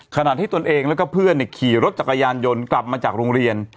ขณะที่ตนเองแล้วก็เพื่อนขี่รถจักรยานยนต์กลับมาจากโรงเรียน